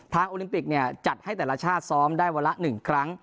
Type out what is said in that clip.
โอลิมปิกจัดให้แต่ละชาติซ้อมได้วันละ๑ครั้ง